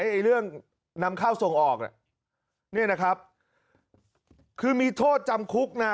ไอ้เรื่องนำเข้าส่งออกน่ะนี่นะครับคือมีโทษจำคุกนะ